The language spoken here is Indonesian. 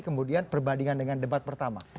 kemudian perbandingan dengan debat pertama